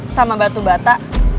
sama batu bata